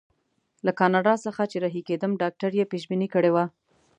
له کاناډا څخه چې رهي کېدم ډاکټر یې پېشبیني کړې وه.